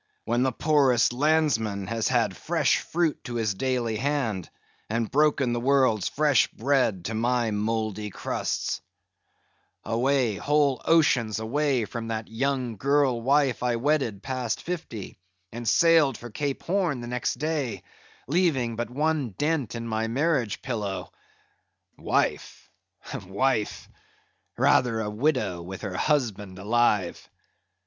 —when the poorest landsman has had fresh fruit to his daily hand, and broken the world's fresh bread to my mouldy crusts—away, whole oceans away, from that young girl wife I wedded past fifty, and sailed for Cape Horn the next day, leaving but one dent in my marriage pillow—wife? wife?—rather a widow with her husband alive!